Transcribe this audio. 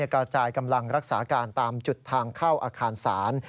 กระจายกำลังรักษาการตามจุดทางเข้าอาคารศาล